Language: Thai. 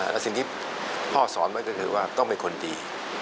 และสิ่งที่พ่อสอนไว้ก็คือว่าต้องเป็นคนดี